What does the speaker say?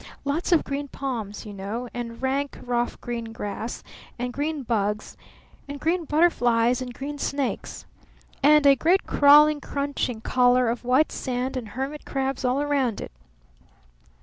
Lots of green palms, you know, and rank, rough, green grass and green bugs and green butterflies and green snakes. And a great crawling, crunching collar of white sand and hermit crabs all around it.